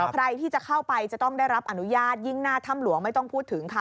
ใครที่จะเข้าไปจะต้องได้รับอนุญาตยิ่งหน้าถ้ำหลวงไม่ต้องพูดถึงค่ะ